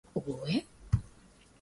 Elfu moja mia tisa sabini na moja